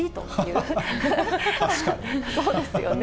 そうですよね。